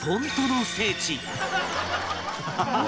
ハハハハ！